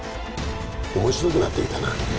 面白くなってきたな。